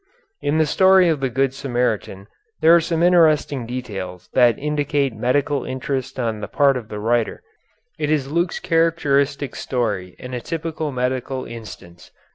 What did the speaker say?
In the story of the Good Samaritan there are some interesting details that indicate medical interest on the part of the writer. It is Luke's characteristic story and a typical medical instance.